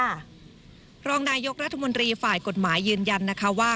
รองนายกรัฐมนตรีฝ่ายกฎหมายยืนยันนะคะว่า